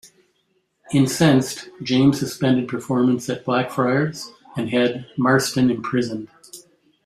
Incensed, James suspended performances at Blackfriars and had Marston imprisoned.